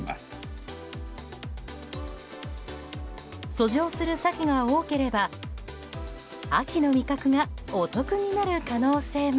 遡上するサケが多ければ秋の味覚がお得になる可能性も。